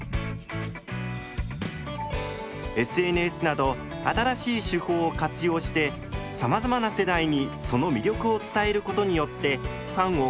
ＳＮＳなど新しい手法を活用してさまざまな世代にその魅力を伝えることによってファンを獲得しているのです。